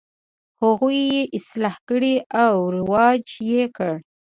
هغوی یې اصلاح کړه او رواج یې کړ.